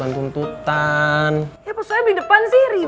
arjen tuh buri